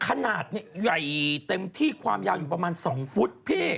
ขนาดใหญ่เต็มที่ความยาวอยู่ประมาณ๒ฟุตพี่